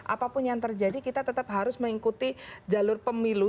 apapun yang terjadi kita tetap harus mengikuti jalur pemilu